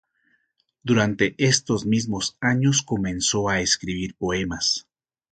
Durante esos mismos años comenzó a escribir poemas.